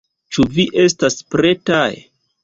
Ĉu vi estas pretaj?